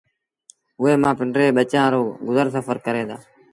اُئي مآݩ پنڊري ٻچآݩ رو گزر سڦر ڪريݩ دآ